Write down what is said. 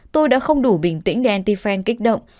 tôi đã không đủ bình tĩnh để anti fan kích động